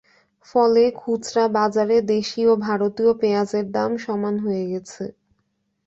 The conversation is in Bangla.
ফলে খুচরা বাজারে দেশি ও ভারতীয় পেঁয়াজের দাম সমান হয়ে গেছে।